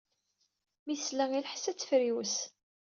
Mi tesla i lḥess ad tefriwes.